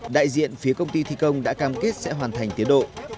đại diện phía công ty thi công đã cam kết sẽ hoàn thành tiến độ